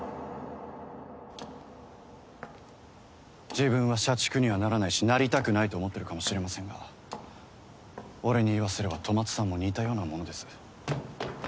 自分は社畜にはならないしなりたくないと思ってるかもしれませんが俺に言わせれば戸松さんも似たようなものです。